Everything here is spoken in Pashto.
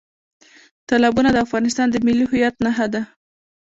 تالابونه د افغانستان د ملي هویت نښه ده.